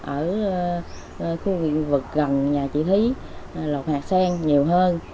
ở khu vực gần nhà chị thúy lột hạt sen nhiều hơn